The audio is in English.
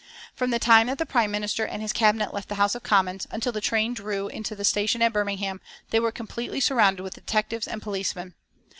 From the time that the Prime Minister and his Cabinet left the House of Commons until the train drew in to the station at Birmingham they were completely surrounded with detectives and policemen.